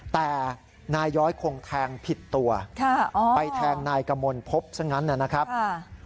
แต่นายย้อยคงแทงผิดตัวไปแทงนายกมลพบซะงั้นนะครับ